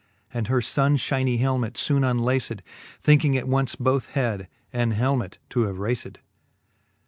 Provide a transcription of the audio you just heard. And her funfhynie helmet foone unlaced. Thinking at once both head and helmet to have raced.